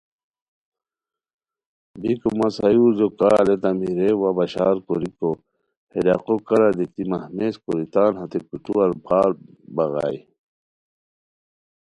بیکو مہ سایورجو کا الیتامی رے وا بشار کوریکو ہے ڈاقو کارا دیتی مہمیز کوری تان ہتے کوٹوار پھاربغائے